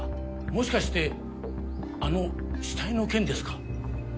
もしかしてあの死体の件ですか？